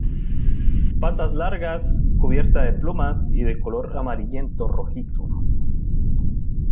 Patas largas, cubierta de plumas y de color amarillento rojizo.